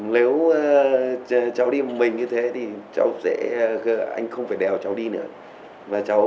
nếu cháu đi một mình như thế thì cháu sẽ anh không phải đèo cháu đi nữa